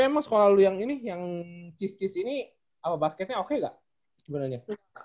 oh tapi emang sekolah lo yang ini yang cis cis ini basketnya oke gak sebenarnya